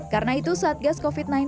karena itu saat gas covid sembilan belas